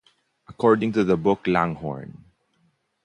According to the book Langhorne!